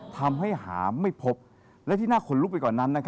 ทำให้หาไม่พบและที่น่าขนลุกไปกว่านั้น